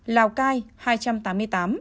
lào cai hai trăm tám mươi tám